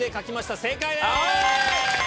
正解です。